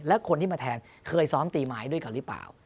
แล้วคนที่มาแทนเคยซ้อมตีไม้ด้วยกันหรือเปล่า